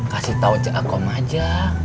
kasih tau cik akom aja